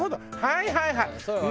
はいはいはい。